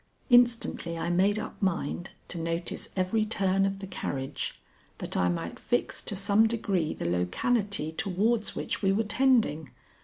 Instantly I made up mind to notice every turn of the carriage, that I might fix to some degree the locality towards which we were tending.